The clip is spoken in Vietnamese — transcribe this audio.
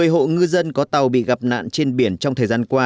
một mươi hộ ngư dân có tàu bị gặp nạn trên biển trong thời gian qua